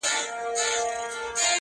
• ځوانِ مرګ دي سم چي نه به در جارېږم..